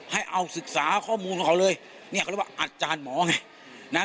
ให้เอาศึกษาข้อมูลของเขาเลยเนี่ยเขาเรียกว่าอาจารย์หมอไงนะ